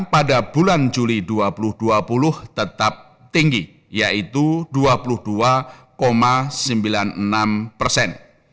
pada bulan juli dua ribu dua puluh tetap tinggi yaitu dua puluh dua sembilan puluh enam persen